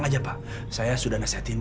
aku pasang komputer